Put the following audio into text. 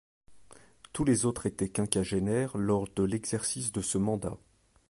Tous les autres étaient quinquagénaires lors de l'exercice de ce mandat.